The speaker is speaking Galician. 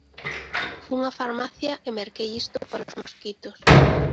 Fun á farmacia e merquei isto para os mosquitos.